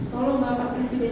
tolong bapak presiden